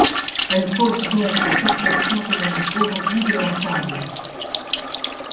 Elle fausse donc la perception que l’on a aujourd’hui de l’ensemble.